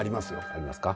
ありますか？